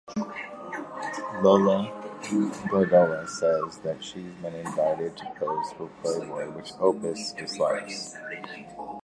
Lola Granola says that she's been invited to pose for "Playboy", which Opus dislikes.